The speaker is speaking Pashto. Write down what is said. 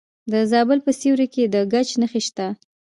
د زابل په سیوري کې د ګچ نښې شته.